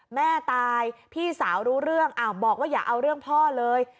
แม่ตายพี่สาวรู้เรื่องบอกว่าอย่าเอาเรื่องพ่อเลย